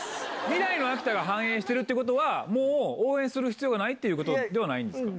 未来の秋田は繁栄してるってことは、もう応援する必要がないということではないですか？